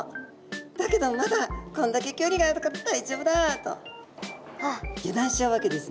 だけどまだこんだけ距離があるから大丈夫だ」と油断しちゃうわけですね。